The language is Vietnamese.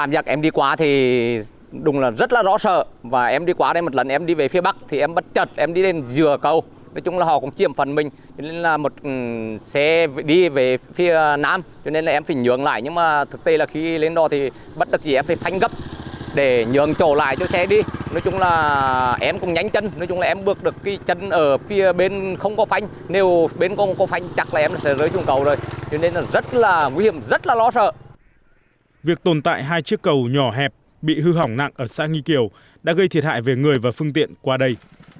việc tồn tại hai chiếc cầu nhỏ hẹp bị hư hỏng nặng ở xã nghi kiều đã gây thiệt hại về người và phương tiện qua đây